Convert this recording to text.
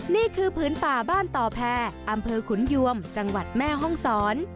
นี่คือพื้นป่าบ้านต่อแพรอำเภอขุนยวมจังหวัดแม่ห้องศร